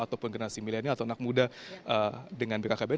ataupun generasi milenial atau anak muda dengan bkkbn